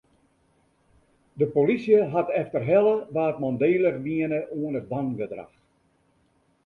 De polysje hat efterhelle wa't mandélich wiene oan it wangedrach.